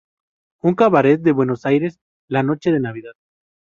Un cabaret de Buenos Aires la noche de Navidad.